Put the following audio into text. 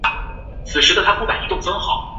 同时茅台和郎酒并称为中国两大酱香型白酒。